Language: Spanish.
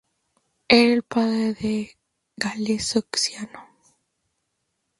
Era el padre de Galeazzo Ciano.